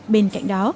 bên cạnh đó